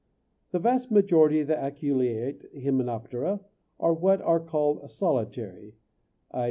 The vast majority of the aculeate Hymenoptera are what are called "solitary", i.